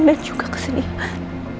dan juga kesedihan